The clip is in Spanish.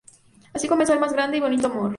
Y así comenzó el más grande y bonito amor.